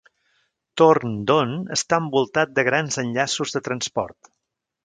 Thorndon està envoltat de grans enllaços de transport.